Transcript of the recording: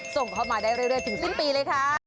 ส่งเข้ามาได้เรื่อยถึงสิ้นปีเลยค่ะ